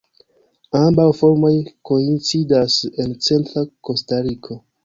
Ambaŭ formoj koincidas en centra Kostariko.